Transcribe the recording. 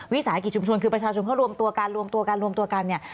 วิสาหกิจชุมชนคือประชาชนเขารวมตัวการรวมตัวกันรวมตัวกันเนี่ย